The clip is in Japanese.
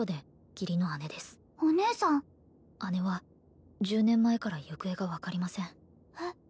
義姉は１０年前から行方が分かりませんえっ？